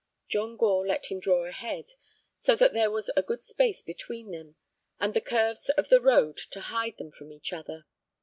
John Gore let him draw ahead, so that there was a good space between them, and the curves of the road to hide them from each other.